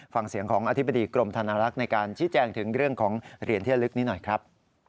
ฟังเสียงของอธิบดีกรมธนารักษ์ในการชี้แจงถึงเรื่องของเหรียญเที่ยวลึกนี้หน่อยครับ